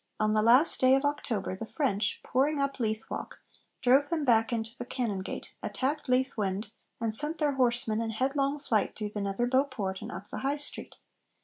On the last day of October the French, pouring up Leith Walk, drove them back into the Canongate, attacked Leith Wynd, and sent their horsemen in headlong flight through the Netherbow Port and up the High Street.